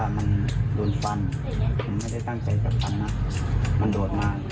ผมไม่ได้ตั้งใจจับฟันนะมันโดดมาก